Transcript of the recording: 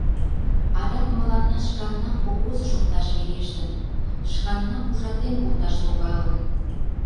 Адак мыланна шканнак обозыш опташ верештын, шканнак ужатен колташ логалын.